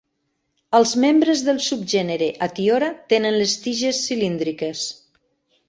Els membres del subgènere Hatiora tenen les tiges cilíndriques.